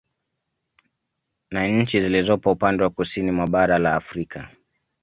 Na nchi zilizopo upande wa Kusini mwa bara la Afrika